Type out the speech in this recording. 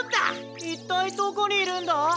いったいどこにいるんだ？